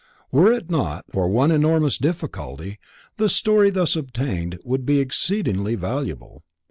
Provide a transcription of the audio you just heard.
Were it not for one enormous difficulty, the story thus obtained would be exceedingly valuable.